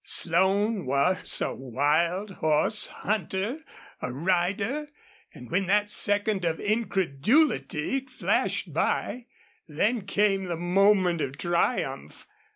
Slone was a wild horse hunter, a rider, and when that second of incredulity flashed by, then came the moment of triumph.